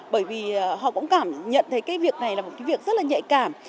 bởi vì họ cũng cảm nhận thấy cái việc này là một cái việc rất là nhạy cảm